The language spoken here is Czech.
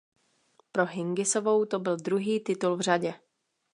Pro Hingisovou to byl druhý titul v řadě.